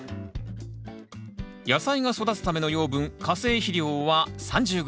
野菜が育つための養分化成肥料は３０ｇ。